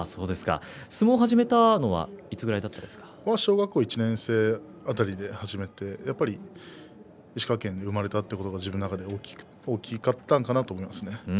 相撲を始めたのはいつごろ小学校１年生で始めて石川県に生まれたということは自分の中で大きかったのかなと思います。